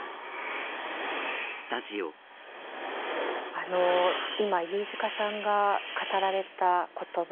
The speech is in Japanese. あの今飯塚さんが語られた言葉